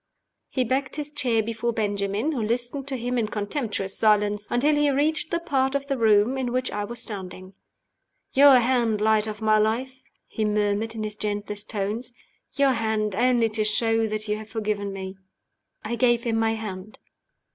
He backed his chair before Benjamin (who listened to him in contemptuous silence) until he reached the part of the room in which I was standing. "Your hand, Light of my Life!" he murmured in his gentlest tones. "Your hand only to show that you have forgiven me!" I gave him my hand.